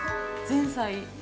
前菜？